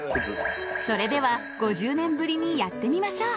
それでは５０年ぶりにやってみましょう。